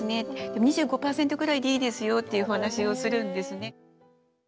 ２５％ぐらいでいいですよっていうお話をするんですね。